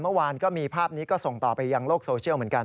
เมื่อวานก็มีภาพนี้ก็ส่งต่อไปยังโลกโซเชียลเหมือนกัน